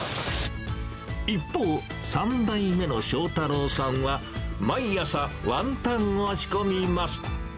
一方、３代目の章太朗さんは、毎朝、ワンタンを仕込みます。